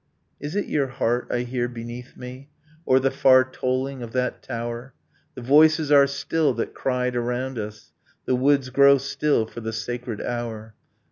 Is it your heart I hear beneath me. ... Or the far tolling of that tower? The voices are still that cried around us. ... The woods grow still for the sacred hour.